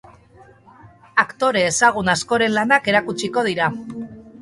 Aktore ezagun askoren lanak erakutsiko dira.